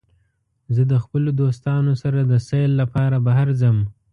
زه د خپلو دوستانو سره د سیل لپاره بهر ځم.